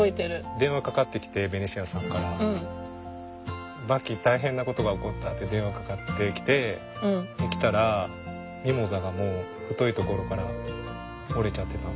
電話かかってきてベニシアさんから「バッキー大変なことが起こった」って電話かかってきてで来たらミモザがもう太いところから折れちゃってたんですね。